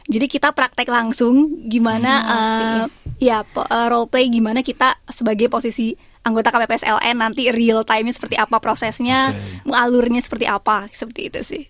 jadi kita praktek langsung gimana ya roleplay gimana kita sebagai posisi anggota kpps lni nanti real timenya seperti apa prosesnya alurnya seperti apa seperti itu sih